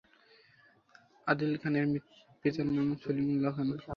আদিল খানের পিতার নাম সলিমুল্লাহ খান।